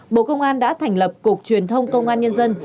bộ công an đã thành lập cục truyền thông công an nhân dân